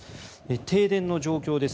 停電の状況です。